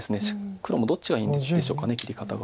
黒もどっちがいいんでしょうか切り方が。